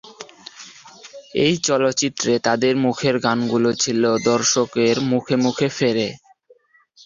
এই চলচ্চিত্রে তাদের মুখের গানগুলো ছিল দর্শকের মুখে মুখে ফেরে।